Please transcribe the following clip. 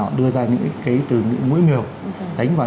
họ đưa ra những cái từ những mũi nhừ đánh vào